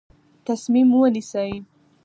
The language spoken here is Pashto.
تصمیم ونیسئ.